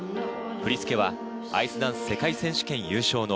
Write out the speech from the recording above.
振り付けはアイスダンス世界選手権優勝の